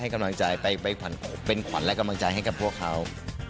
กำลังใจไปเป็นขวัญและกำลังใจให้กับพวกเขา